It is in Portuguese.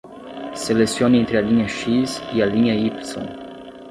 Selecione entre a linha X e a linha Y.